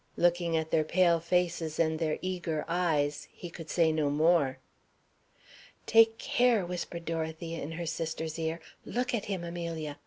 Looking at their pale faces, and their eager eyes, he could say no more. "Take care!" whispered Dorothea, in her sister's ear. "Look at him, Amelia!